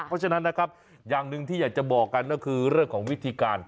เพราะฉะนั้นนะครับอย่างหนึ่งที่อยากจะบอกกันก็คือเรื่องของวิธีการ